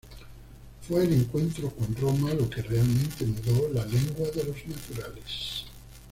Fue el encuentro con Roma lo que realmente mudó la lengua de los naturales.